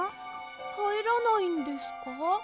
かえらないんですか？